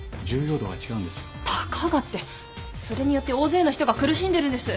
それによって大勢の人が苦しんでるんです。